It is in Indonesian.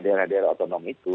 daerah daerah otonom itu